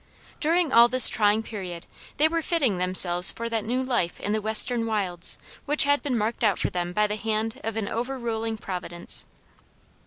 During all this trying period they were fitting themselves for that new life in the western wilds which had been marked out for them by the hand of an overruling Providence.